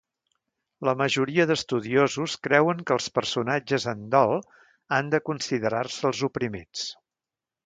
La majoria d'estudiosos creuen que els personatges en dol han de considerar-se els oprimits.